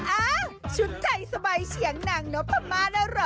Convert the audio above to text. อ้าชุดใจสบายเฉียงนางน้องพม่าน่ะเหรอ